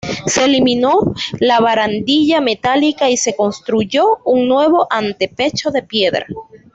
Se eliminó la barandilla metálica y se construyó un nuevo antepecho de piedra.